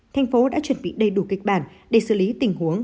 thành phố đã chuẩn bị đầy đủ kịch bản để xử lý tình huống